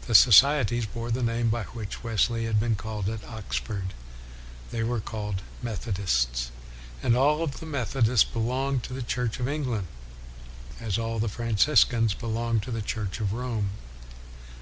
7 ' The societies bore the name by which Wesley had been called at Oxford; they were called Methodists. And all the Methodists belonged to the Church of England, as all the Franciscans belonged to the Church of Rome.